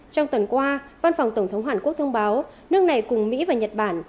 trong tuần qua văn phòng tổng thống hàn quốc thông báo nước này cùng mỹ và nhật bản